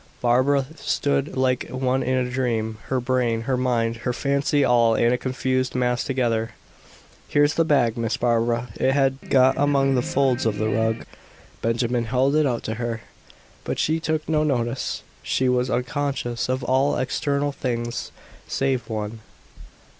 Barbara stood like one in a dream, her brain, her mind, her fancy all in a confused mass together. "Here's the bag, Miss Barbara. It had got among the folds of the rug." Benjamin held it out to her, but she took no notice; she was unconscious of all external things save one.